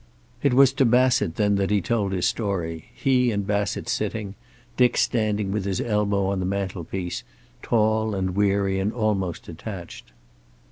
It was to Bassett then that he told his story, he and Bassett sitting, Dick standing with his elbow on the mantelpiece, tall and weary and almost detached.